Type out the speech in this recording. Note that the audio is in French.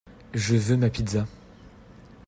Je veux ma pizza!